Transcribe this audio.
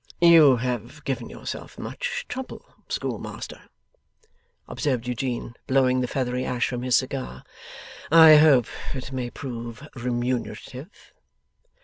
'You have given yourself much trouble, Schoolmaster,' observed Eugene, blowing the feathery ash from his cigar. 'I hope it may prove remunerative.